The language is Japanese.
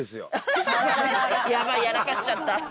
やばいやらかしちゃった。